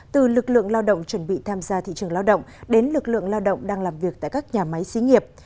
từ lực lượng lao động chuẩn bị tham gia thị trường lao động đến lực lượng lao động đang làm việc tại các nhà máy xí nghiệp